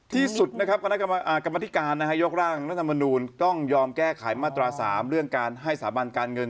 ที่สุดนะครับคณะกรรมธิการยกร่างรัฐมนูลต้องยอมแก้ไขมาตรา๓เรื่องการให้สถาบันการเงิน